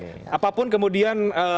baik apapun kemudian